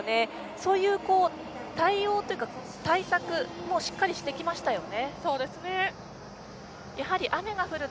そういう対策もしっかりしてきましたよね。